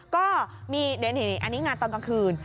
ก็มีเดี๋ยวอันนี้งานตอนกลางคืน